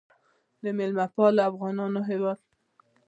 د میلمه پالو افغانانو هیواد.